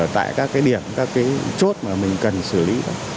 tại các cái điểm các cái chốt mà mình cần xử lý thôi